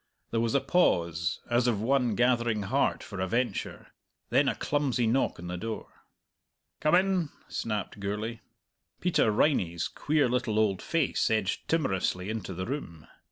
There was a pause, as of one gathering heart for a venture; then a clumsy knock on the door. "Come in," snapped Gourlay. Peter Riney's queer little old face edged timorously into the room.